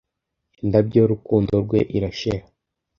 indabyo y'urukundo rwe irashira